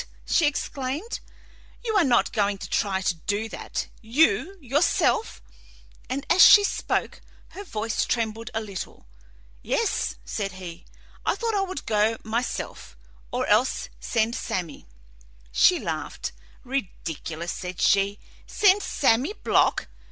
she exclaimed. "You are not going to try to do that you, yourself?" And as she spoke, her voice trembled a little. "Yes," said he, "I thought I would go myself, or else send Sammy." She laughed. "Ridiculous!" said she. "Send Sammy Block!